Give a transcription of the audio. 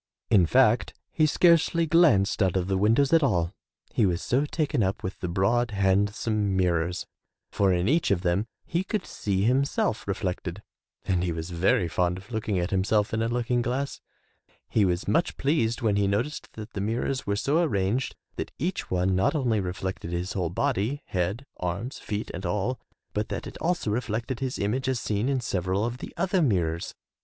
In fact, he scarcely glanced out of the windows at all, he was so taken up with the broad, handsome mirrors, for in each of them he could see himself reflected and he was very fond of looking at himself in a looking glass. He was much pleased when he noticed that the mirrors were so arranged that each one not only reflected his whole body, head, arms, feet and all, but that it also reflected his image as seen in several of the other mirrors.